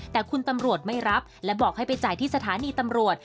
แต่คุณตำรวจไม่รับและบอกให้ไปจ่ายที่สถานีตำรวจ